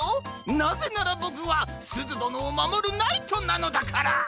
なぜならボクはすずどのをまもるナイトなのだから！